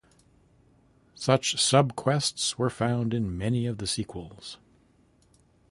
Such subquests were found in many of the sequels.